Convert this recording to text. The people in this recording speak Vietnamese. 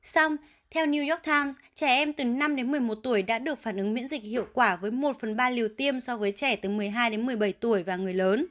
xong theo new york times trẻ em từ năm đến một mươi một tuổi đã được phản ứng miễn dịch hiệu quả với một phần ba liều tiêm so với trẻ từ một mươi hai đến một mươi bảy tuổi và người lớn